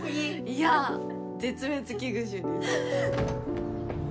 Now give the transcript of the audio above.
いや絶滅危惧種です。